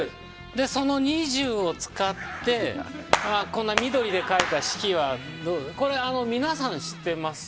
その２０を使って緑で書いた式はこれは皆さん知っています。